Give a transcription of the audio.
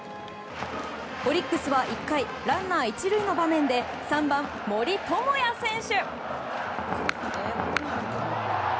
オリックスは１回ランナー１塁の場面で３番、森友哉選手。